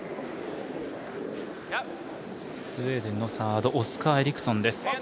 スウェーデンのサードオスカー・エリクソンです。